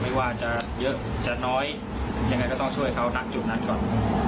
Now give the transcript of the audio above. ไม่ว่าจะเยอะจะน้อยยังไงก็ต้องช่วยเขาณจุดนั้นก่อน